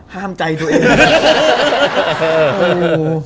ห้ามใจตัวเอง